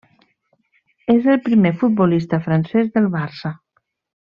És el primer futbolista francès del Barça.